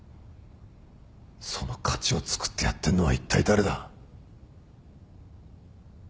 その価値をつくってやってんのはいったい誰だ？